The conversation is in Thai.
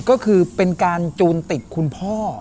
ก็คือเป็นการจูนติดคุณพ่อ